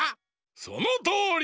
そのとおり！